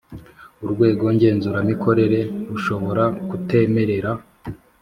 Urwego ngenzuramikorere rushobora kutemerera